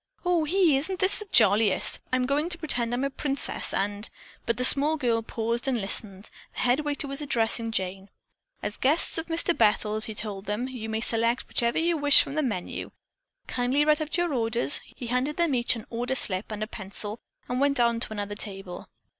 "Ohee, isn't this the jolliest? I'm going to pretend I'm a princess and " But the small girl paused and listened. The head waiter was addressing Jane. "As guests of Mr. Bethel's," he told them, "you may select whatever you wish from the menu. Kindly write out your orders." He handed them each an order slip and a pencil and then went on to another table.